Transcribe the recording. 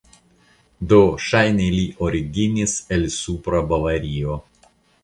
Do ŝajne li originis el Supra Bavario.